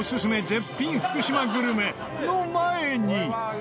絶品福島グルメの前に。